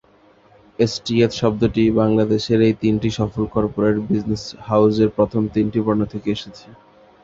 STS শব্দটি বাংলাদেশের এই তিনটি সফল কর্পোরেট বিজনেস হাউসের প্রথম তিনটি বর্ণ থেকে এসেছে।